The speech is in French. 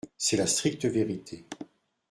C’est la stricte vérité.